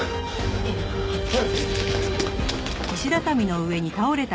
ああはい！